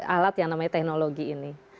alat yang namanya teknologi ini